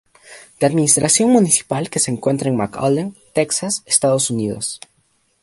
De administración municipal, que se encuentra en McAllen, Texas, Estados Unidos.